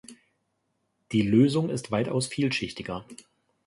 Die Lösung ist weitaus vielschichtiger.